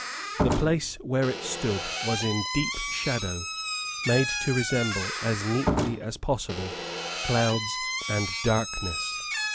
The place where it stood was in deep shadow, made to resemble, as neatly as possible, clouds and darkness.